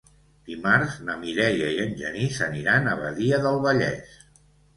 Dimarts na Mireia i en Genís aniran a Badia del Vallès.